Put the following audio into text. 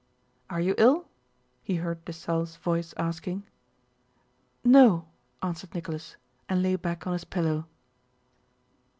"Are you ill?" he heard Dessalles' voice asking. "No," answered Nicholas, and lay back on his pillow.